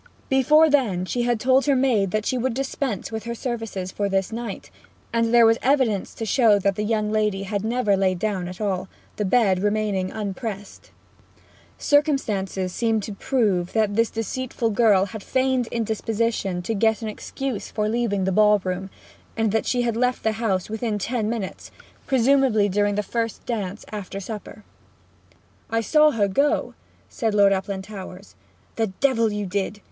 Before then she had told her maid that she would dispense with her services for this night; and there was evidence to show that the young lady had never lain down at all, the bed remaining unpressed. Circumstances seemed to prove that the deceitful girl had feigned indisposition to get an excuse for leaving the ball room, and that she had left the house within ten minutes, presumably during the first dance after supper. 'I saw her go,' said Lord Uplandtowers. 'The devil you did!'